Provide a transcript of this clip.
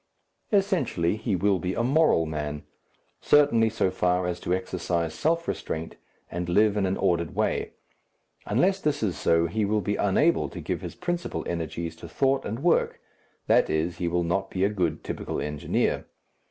Essentially he will be a moral man, certainly so far as to exercise self restraint and live in an ordered way. Unless this is so, he will be unable to give his principal energies to thought and work that is, he will not be a good typical engineer.